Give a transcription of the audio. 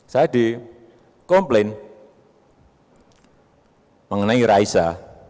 saya dikomplain mengenai raisa